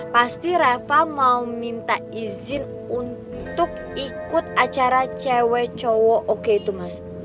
pasti rafa mau minta izin untuk ikut acara cewek cowok oke itu mas